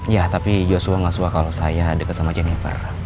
ya tapi joshua nggak suah kalau saya deket sama jennifer